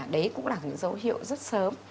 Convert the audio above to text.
đấy cũng là những dấu hiệu rất sớm